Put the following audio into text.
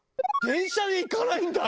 電車で行かないんだ！